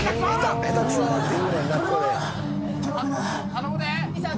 頼むで。